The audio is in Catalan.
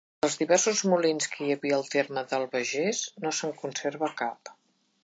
Dels diversos molins que hi havia al terme de l'Albagés no se'n conserva cap.